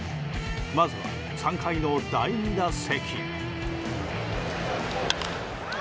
まずは３回の第２打席。